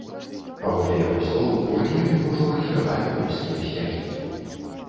Паводле яго слоў, у рэгіёне ўжо развявалі польскія сцягі.